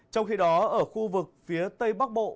trong khi đó ở khu vực phía tây bắc bộ